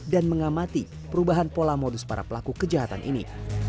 dan mengamati perubahan pola modus para pelaku kejahatan ini